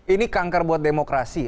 ini kanker buat demokrasi